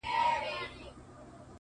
بې پروا سي بس له خپلو قریبانو-